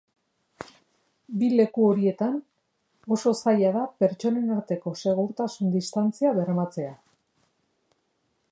Bi leku horietan, oso zaila da pertsonen arteko segurtasun-distantzia bermatzea.